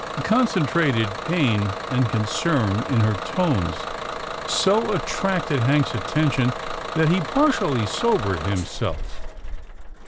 " The concentrated pain and concern in her tones so attracted Hank's attention that he partially sobered himself.